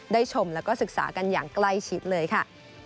ชมแล้วก็ศึกษากันอย่างใกล้ชิดเลยค่ะ